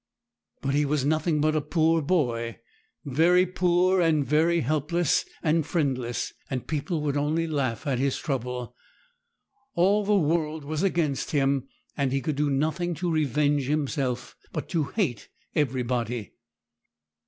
But he was nothing but a poor boy, very poor, and very helpless and friendless, and people would only laugh at his trouble. All the world was against him, and he could do nothing to revenge himself, but to hate everybody!